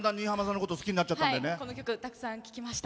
この曲、たくさん聴きました。